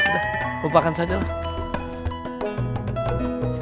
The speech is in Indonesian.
udah lupakan saja lah